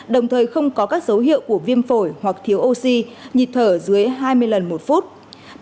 đồng thời không có các dấu hiệu của viêm phổi hoặc thiếu oxy nhịp thở dưới hai mươi lần một phút